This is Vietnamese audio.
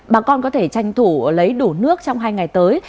bà con có thể tranh thủ lấy đủ nước trong hai ngày tới